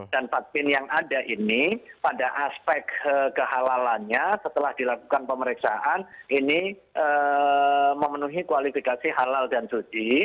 dan pakpin yang ada ini pada aspek kehalalannya setelah dilakukan pemeriksaan ini memenuhi kualifikasi halal dan suci